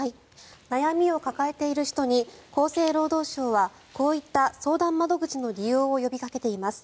悩みを抱えている人に厚生労働省はこういった相談窓口の利用を呼びかけています。